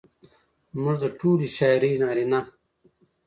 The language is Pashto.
زموږ د ټولې شاعرۍ نارينه